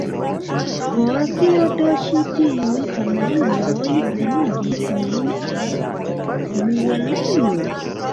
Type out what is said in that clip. Por kio do ĉi tiuj kanajloj venigis nin al muelejo?